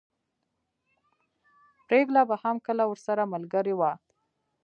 پريګله به هم کله ورسره ملګرې وه